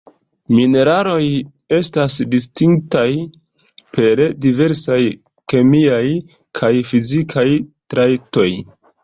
Mineraloj estas distingitaj per diversaj kemiaj kaj fizikaj trajtoj.